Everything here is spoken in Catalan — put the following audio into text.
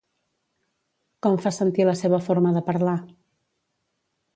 Com fa sentir la seva forma de parlar?